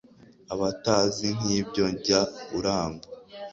abatazi nk'ibyo, jya urangwa